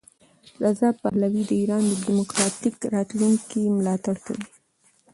رضا پهلوي د ایران د دیموکراتیک راتلونکي ملاتړ کوي.